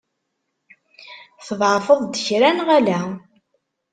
Tḍeεfeḍ-d kra, neɣ ala?